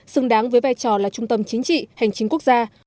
xứng đáng với vai trò là trung tâm chính trị hành chính quốc gia